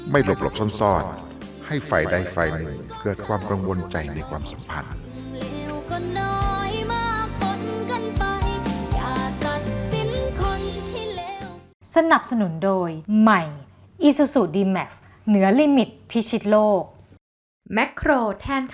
ไม่หลบซ่อนให้ไฟได้ไฟหนึ่งเกิดความกังวลใจในความสัมพันธ์